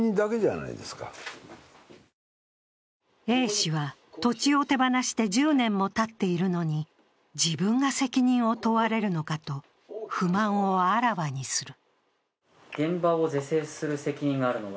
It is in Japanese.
Ａ氏は、土地を手放して１０年もたっているのに自分が責任を問われるのかと不満をあらわにする。